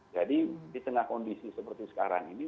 jadi di tengah kondisi seperti sekarang ini